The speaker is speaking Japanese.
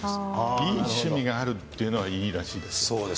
いい趣味があるっていうのはいいらしいです。